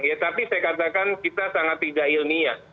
ya tapi saya katakan kita sangat tidak ilmiah